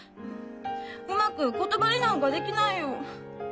うまく言葉になんかできないよ。